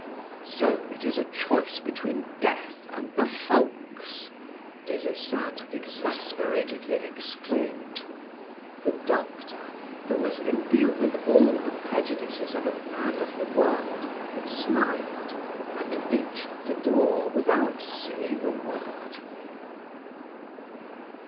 "So it is a choice between death and the hulks!" Des Esseintes exasperatedly exclaimed. The doctor, who was imbued with all the prejudices of a man of the world, smiled and reached the door without saying a word.